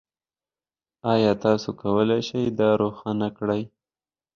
ایا تاسو کولی شئ دا روښانه کړئ؟